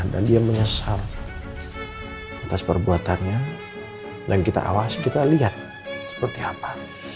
dan dia menyesal atas perbuatannya dan kita awasi kita lihat seperti apa